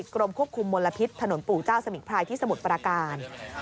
กรมควบคุมมลพิษถนนปู่เจ้าสมิงพรายที่สมุทรประการ